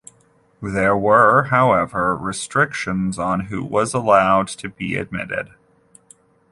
There were, however, restrictions on who was allowed to be admitted.